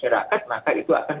gimana karena semangatnya sekarang